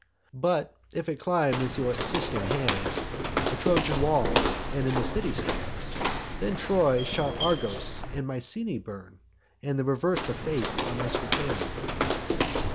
But if it climb, with your assisting hands, The Trojan walls, and in the city stands; Then Troy shall Argos and Mycenae burn, And the reverse of fate on us return.